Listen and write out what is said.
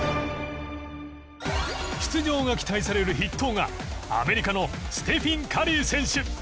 出場が期待される筆頭がアメリカのステフィン・カリー選手。